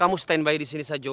kamu stand by di sini saja